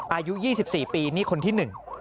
อายุ๒๔ปีนี่คนที่๑